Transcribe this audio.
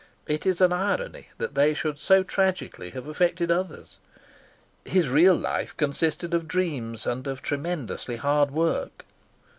It is an irony that they should so tragically have affected others. His real life consisted of dreams and of tremendously hard work.